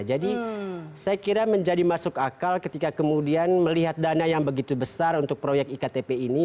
jadi saya kira menjadi masuk akal ketika kemudian melihat dana yang begitu besar untuk proyek iktp ini